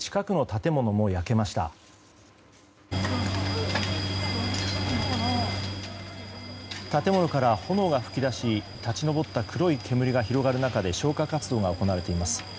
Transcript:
建物から炎が噴き出し立ち上った黒い煙が広がる中で消火活動が行われています。